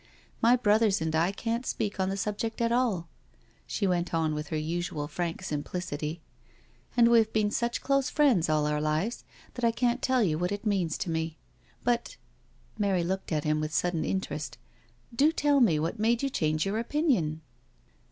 My brothers and I can't speak on the subject at all,'* she went on with her usual frank simplicity, and we have been such close friends all our lives that I can't tell you what it means to me. ... But "—Mary looked at him with sudden interest —" do tell me what made you change your opinion?"